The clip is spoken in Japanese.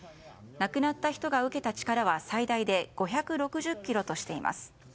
亡くなった人が受けた力は最大で５６０ｋｇとしています。